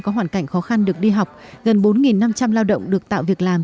có hoàn cảnh khó khăn được đi học gần bốn năm trăm linh lao động được tạo việc làm